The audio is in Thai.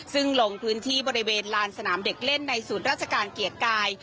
ซึ่งลงพื้นที่บริเวณลานสนามเด็กเล่นในศูนย์ราชการเกียรติกาย